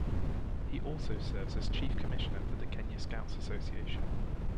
He also serves as Chief Commissioner for The Kenya Scouts Association.